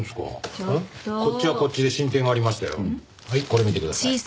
これ見てください。